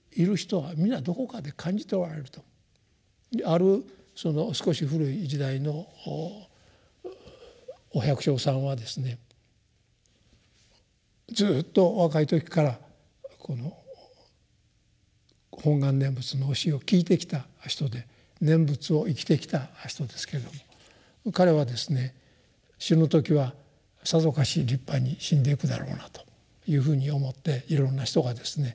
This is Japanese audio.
あるその少し古い時代のお百姓さんはですねずっと若い時からこの「本願念仏」の教えを聞いてきた人で念仏を生きてきた人ですけれども彼はですね死ぬ時はさぞかし立派に死んでいくだろうなというふうに思っていろいろな人がですね